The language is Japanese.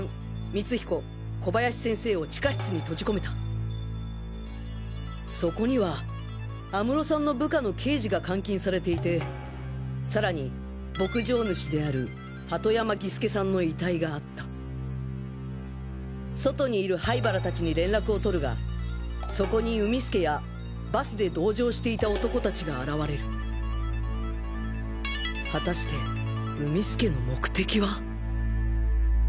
光彦小林先生を地下室に閉じこめたそこには安室さんの部下の刑事が監禁されていてさらに牧場主である鳩山義輔さんの遺体があった外にいる灰原達に連絡を取るがそこに海輔やバスで同乗していた男達が現れるはたして海輔の目的は！？